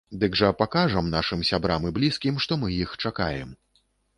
Дык жа пакажам нашым сябрам і блізкім, што мы іх чакаем.